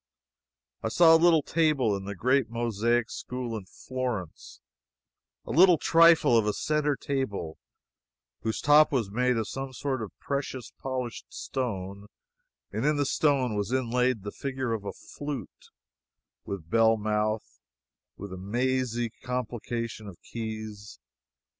I saw a little table in the great mosaic school in Florence a little trifle of a centre table whose top was made of some sort of precious polished stone, and in the stone was inlaid the figure of a flute, with bell mouth and a mazy complication of keys.